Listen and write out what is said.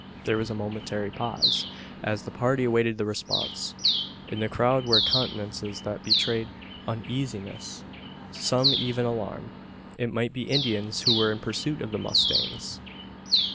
There was a momentary pause, as the party awaited the response. In the crowd were countenances that betrayed uneasiness, some even alarm. It might be Indians who were in pursuit of the mustangs!